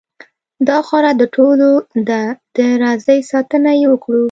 داخاوره دټولو ډ ه ده راځئ ساتنه یې وکړو .